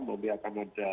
mohon biarkan ada